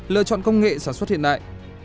lựa chọn công nghệ sản xuất hiện đại